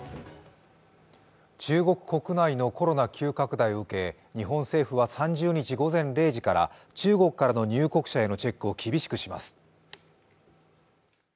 中国国内のコロナ急拡大を受け、日本政府は３０日午前０時から中国からの入国者へのチェックを厳しくします。